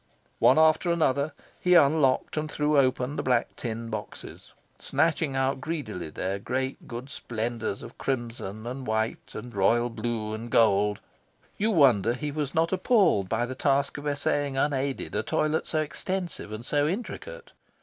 One after another, he unlocked and threw open the black tin boxes, snatching out greedily their great good splendours of crimson and white and royal blue and gold. You wonder he was not appalled by the task of essaying unaided a toilet so extensive and so intricate?